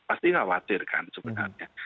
pasti khawatir kan sebenarnya